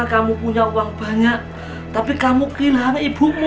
kamu punya uang banyak tapi kamu kehilangan ibumu